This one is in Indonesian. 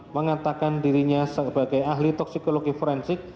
mengatakan dirinya sebagai ahli toksikologi forensik